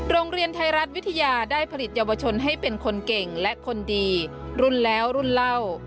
โรงเรียนไทยรัฐวิทยาได้ผลิตเยาวชนให้เป็นคนเก่งและคนดีรุ่นแล้วรุ่นเล่า